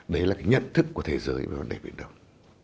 đấy là cái nhận thức của thế giới về vấn đề biển đông